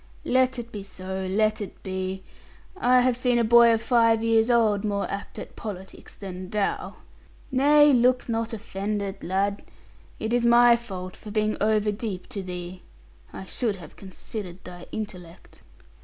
Let it be so, let it be. I have seen a boy of five years old more apt at politics than thou. Nay, look not offended, lad. It is my fault for being over deep to thee. I should have considered thy intellect.'